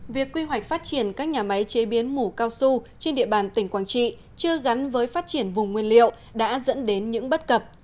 việc quy hoạch phát triển các nhà máy chế biến mủ cao su trên địa bàn tỉnh quảng trị chưa gắn với phát triển vùng nguyên liệu đã dẫn đến những bất cập